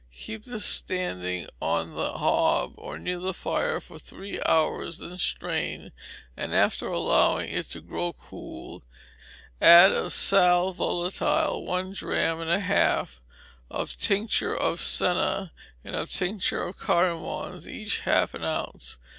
Keep this standing on the hob or near the fire for three hours, then strain, and after allowing it to grow cool, add of sal volatile one drachm and a half, of tincture of senna, and of tincture of cardamoms, each half an ounce.